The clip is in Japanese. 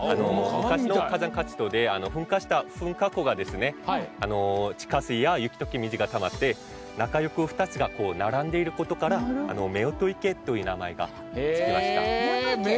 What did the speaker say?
２つとも火山活動で噴火した地下水や、雪どけ水がたまって仲よく２つが並んでいることから夫婦池という名前が付きました。